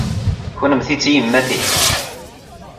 Kennemti d tiyemmatin?